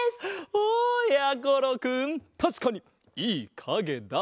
おやころくんたしかにいいかげだ。